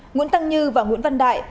nguyễn tăng như và nguyễn văn đại